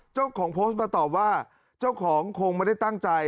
เจ้าของโพสต์มาตอบว่าเจ้าของคงไม่ได้ตั้งใจ